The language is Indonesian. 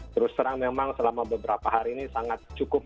terus terang memang selama beberapa hari ini sangat cukup